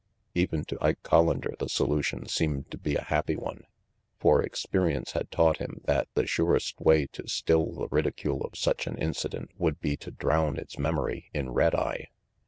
Even to Ike Collander the solution seemed to be a happy one. For experience had taught him that the surest way to still the ridicule of such an incident would be to drown its memory in red eye.